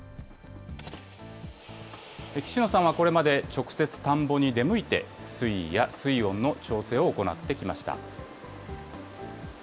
岸野さんはこれまで直接田んぼに出向いて、水位や水温の調整を行ってきました。